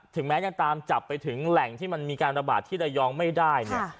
แม้ยังตามจับไปถึงแหล่งที่มันมีการระบาดที่ระยองไม่ได้เนี่ย